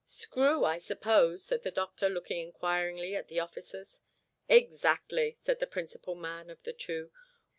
"Screw, I suppose?" said the doctor, looking inquiringly at the officers. "Exactly," said the principal man of the two.